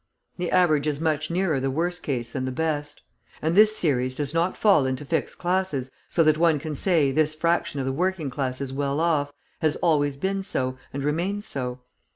The average is much nearer the worst case than the best. And this series does not fall into fixed classes, so that one can say, this fraction of the working class is well off, has always been so, and remains so.